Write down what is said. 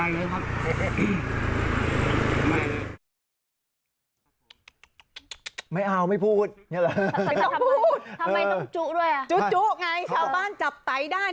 จุดจุดไงชาวบ้านจับไตได้